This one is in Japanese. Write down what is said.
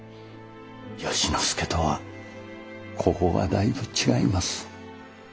由之助とはここがだいぶ違います。